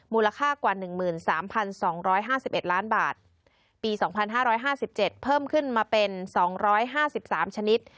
มูลค่ากว่า๑๓๒๕๑ล้านบาทปี๒๕๕๗เพิ่มขึ้นมาเป็น๒๕๓ชนิด